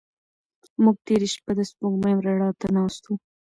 موږ تېره شپه د سپوږمۍ رڼا ته ناست وو.